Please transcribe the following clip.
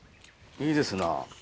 いいですな。